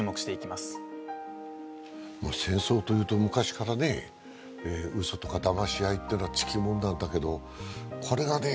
まあ戦争というと昔からね嘘とかだまし合いってのは付き物なんだけどこれがね